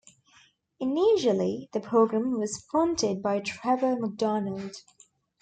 Initially, the programme was fronted by Trevor McDonald.